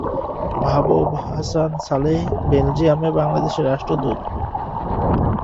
মাহবুব হাসান সালেহ বেলজিয়ামে বাংলাদেশের রাষ্ট্রদূত।